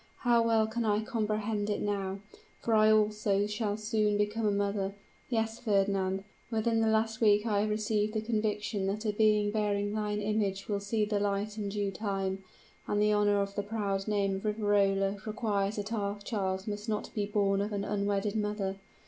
how well can I comprehend it now; for I also shall soon become a mother. Yes, Fernand! within the last week I have received the conviction that a being bearing thine image will see the light in due time; and the honor of the proud name of Riverola requires that our child must not be born of an unwedded mother!